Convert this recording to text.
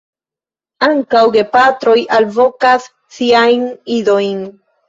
Ankaŭ gepatroj alvokas siajn idojn.